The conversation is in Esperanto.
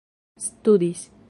studis